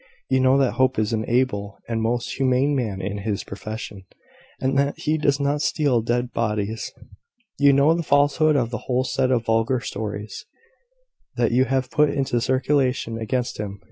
You know that Hope is an able and most humane man in his profession, and that he does not steal dead bodies. You know the falsehood of the whole set of vulgar stories that you have put into circulation against him.